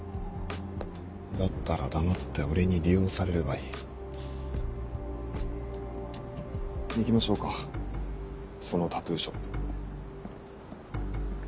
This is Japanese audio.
だったら黙って俺に利用されればいい。行きましょうかそのタトゥーショップ。